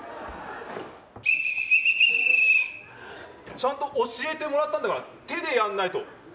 ちゃんと教えてもらったんだから手でやらないと！